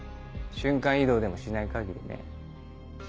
瞬間移動でもしない限りね。